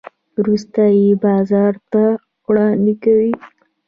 وروسته یې بازار ته وړاندې کوي.